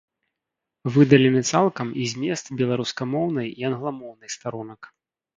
Выдалены цалкам і змест беларускамоўнай і англамоўнай старонак.